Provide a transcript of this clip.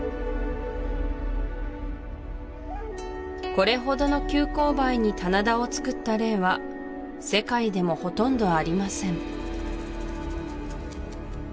これほどの急こう配に棚田をつくった例は世界でもほとんどありません